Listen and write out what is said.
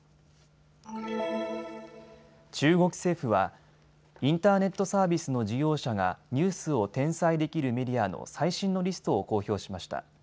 中国政府はインターネットサービスの事業者がニュースを転載できるメディアの最新のリストを公表しました。